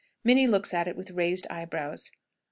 Minnie looks at it with raised eyebrows.